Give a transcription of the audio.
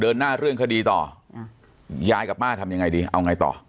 หน้าเรื่องคดีต่อยายกับป้าทำยังไงดีเอาไงต่อ